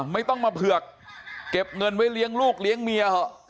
ไม่ต้องมาเผือกเก็บเงินไว้เลี้ยงลูกเลี้ยงเมียเถอะ